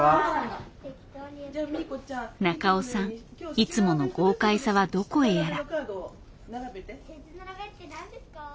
いつもの豪快さはどこへやら。